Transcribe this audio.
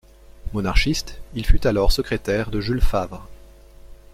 Monarchiste, il fut alors secrétaire de Jules Favre.